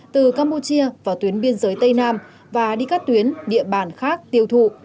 từ campuchia vào tuyến biên giới tây nam và đi các tuyến địa bàn khác tiêu thụ